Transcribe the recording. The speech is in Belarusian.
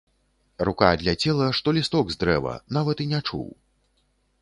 Рука адляцела, што лісток з дрэва, нават і не чуў.